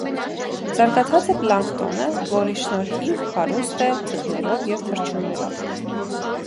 Զարգացած է պլանկտոնը, որի շնորհիվ հարուստ է ձկներով և թռչուններով։